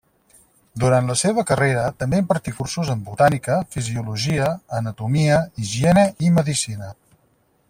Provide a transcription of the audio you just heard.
Durant la seva carrera també impartí cursos en botànica, fisiologia, anatomia, higiene i medicina.